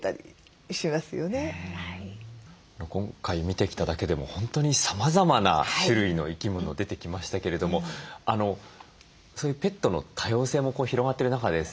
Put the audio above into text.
今回見てきただけでも本当にさまざまな種類の生き物出てきましたけれどもそういうペットの多様性も広がってる中でですね